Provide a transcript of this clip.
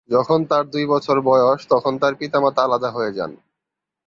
যখন তার দুই বছর বয়স, তখন তার পিতামাতা আলাদা হয়ে যান।